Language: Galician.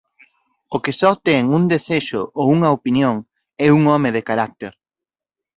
O que só ten un desexo ou unha opinión é un home de carácter.